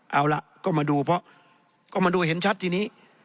เอาล่ะก็มาดูเพราะก็มาดูเห็นชัดทีนี้